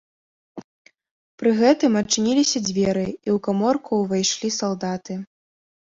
Пры гэтым адчыніліся дзверы, і ў каморку ўвайшлі салдаты.